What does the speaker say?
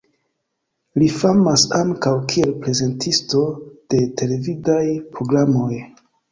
Li famas ankaŭ kiel prezentisto de televidaj programoj.